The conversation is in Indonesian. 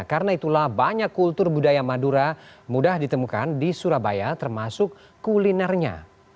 karena itulah banyak kultur budaya madura mudah ditemukan di surabaya termasuk kulinernya